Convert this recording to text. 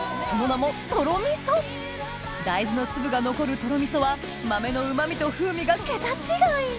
その名もとろみそ大豆の粒が残るとろみそは豆のうま味と風味が桁違い！